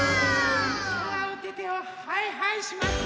さあおててははいはいしますよ！